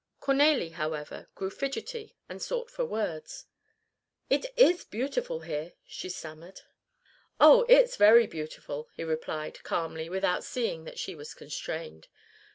Cornélie, however, grew fidgety and sought for words: "It is beautiful here," she stammered. "Oh, it's very beautiful!" he replied, calmly, without seeing that she was constrained.